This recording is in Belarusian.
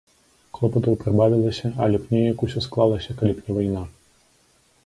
Клопатаў прыбавілася, але б неяк усё склалася, калі б не вайна.